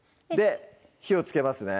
火をつけますね